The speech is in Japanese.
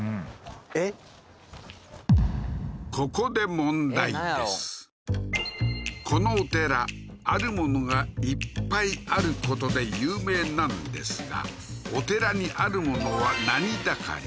えっここでこのお寺あるものがいっぱいあることで有名なんですがお寺にあるものは何だかり？